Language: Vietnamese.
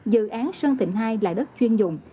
dự án sơn thịnh hai là đất chuyên dùng